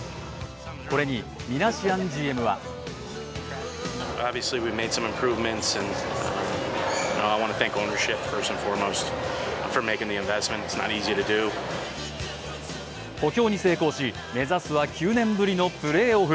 これにミナシアンＧＭは補強に成功し目指すは９年ぶりのプレーオフ。